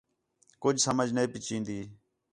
کُج سمجھ نہیں پئی چِین٘دی